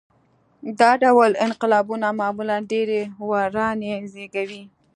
دا ډول انقلابونه معمولاً ډېرې ورانۍ زېږوي.